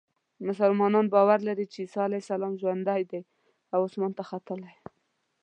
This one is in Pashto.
مسلمانان باور لري چې عیسی علیه السلام ژوندی دی او اسمان ته ختلی.